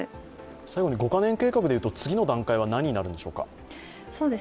最後に５か年計画で言うと、次の段階は何になるんでしょうか？